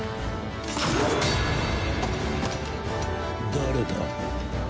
誰だ？